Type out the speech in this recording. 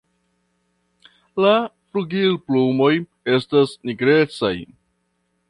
La flugilplumoj estas nigrecaj.